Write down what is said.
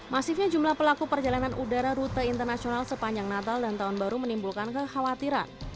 masifnya jumlah pelaku perjalanan udara rute internasional sepanjang natal dan tahun baru menimbulkan kekhawatiran